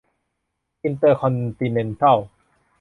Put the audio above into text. อินเตอร์คอนติเนนตัล